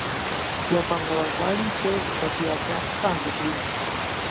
یو پانګوال غواړي چې اضافي ارزښت پانګه کړي